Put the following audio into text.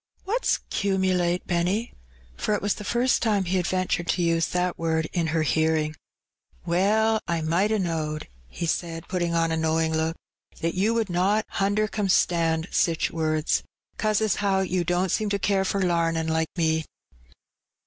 ''What's 'cumulate, Benny?" for it was the first iiime he had ventured to use that word in her hearing. "Well, I might a knowed," he said, putting on a know ing look, "that you would not hundercumstand sich words, 'cause as how you don't seem to care for lamin' like me."